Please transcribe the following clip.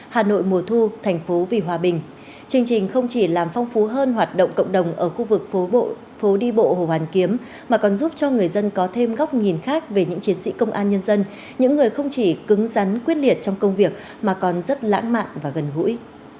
hành trình không chỉ làm phong phú hơn hoạt động cộng đồng ở khu vực phố đi bộ hồ hoàn kiếm mà còn giúp cho người dân có thêm góc nhìn khác về những chiến sĩ công an nhân dân những người không chỉ cứng rắn quyết liệt trong công việc mà còn rất lãng mạn và gần gũi